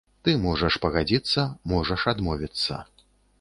Ты можаш пагадзіцца, можаш адмовіцца.